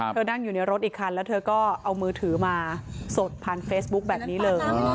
นั่งอยู่ในรถอีกคันแล้วเธอก็เอามือถือมาสดผ่านเฟซบุ๊คแบบนี้เลย